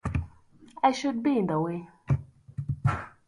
I should be in the way.